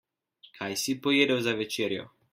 Kaj si pojedel za večerjo?